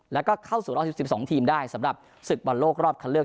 แล้วก็เข้าสู่รอบ๑๒ทีมได้สำหรับศึกบอลโลกรอบคันเลือก